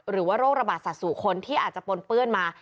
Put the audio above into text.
โรคระบาดสัตว์สู่คนที่อาจจะปนเปื้อนมา